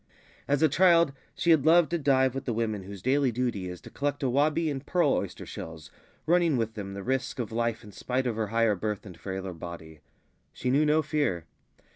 As a child she had loved to dive with the women whose daily duty is to collect awabi and pearl oyster shells, running with them the risk of life in spite of her higher birth and frailer body. She knew no fear.